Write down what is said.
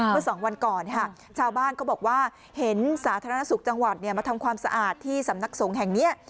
เมื่อสองวันก่อนชาวบ้านก็บอกว่าเห็นสาธารณสุขจังหวัดมาทำความสะอาดที่สำนักสงฆ์แห่งนี้